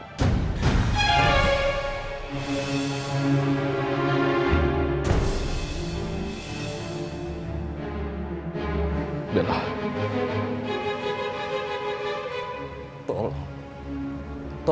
aku ingin ketemu dengan dia